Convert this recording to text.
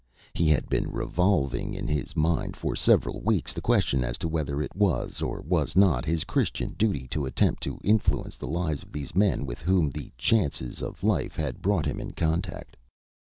He had been revolving in his mind for several weeks the question as to whether it was or was not his Christian duty to attempt to influence the lives of these men with whom the chances of life had brought him in contact.